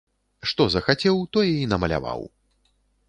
Што захацеў, тое і намаляваў!